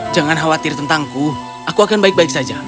jangan khawatir tentangku aku akan baik baik saja